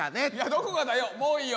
どこがだよもういいよ。